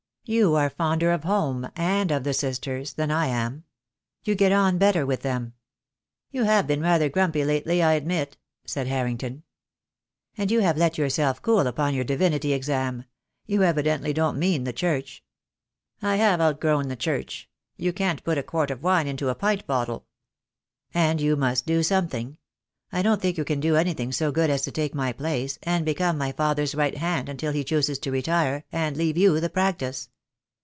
"You are fonder of home — and of the sisters — than I am. You get on better with them." "You have been rather grumpy lately, I admit," said Harrington. "And you have let yourself cool upon your Divinity exam. You evidently don't mean the Church?" THE DAY WILL COME. I 5 I "I have outgrown the Church. You can't put a quart of wine into a pint bottle." "And you must do something. I don't think you can do anything so good as to take my place, and become my father's right hand until he chooses to retire, and leave you the practice.